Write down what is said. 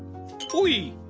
おい！